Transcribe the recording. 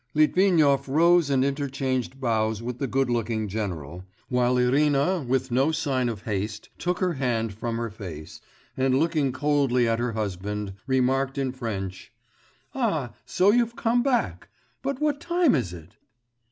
Litvinov rose and interchanged bows with the good looking general, while Irina, with no sign of haste, took her hand from her face, and looking coldly at her husband, remarked in French, 'Ah! so you've come back! But what time is it?